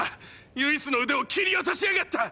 ユイスの腕を切り落としやがった！